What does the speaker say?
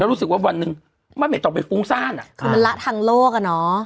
รู้สึกว่าวันหนึ่งมันไม่ต้องไปฟุ้งซ่านอ่ะคือมันละทางโลกอ่ะเนอะ